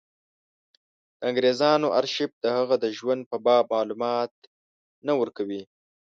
د انګرېزانو ارشیف د هغه د ژوند په باب معلومات نه ورکوي.